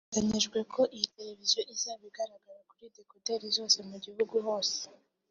Biteganyijwe ko iyi televiziyo izaba igaragara kuri dekoderi zose mu gihugu hose